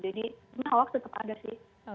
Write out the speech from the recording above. jadi memang hoax tetap ada sih